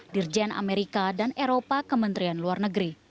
dirjen amerika dan eropa kementerian luar negeri